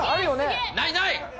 ないない！